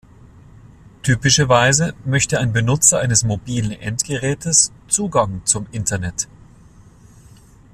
Typischerweise möchte ein Benutzer eines mobilen Endgerätes Zugang zum Internet.